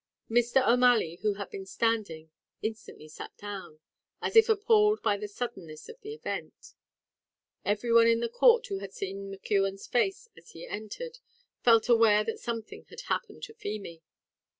Mr. O'Malley, who had been standing, instantly sat down, as if appalled by the suddenness of the event. Every one in the court who had seen McKeon's face as he entered, felt aware that something had happened to Feemy.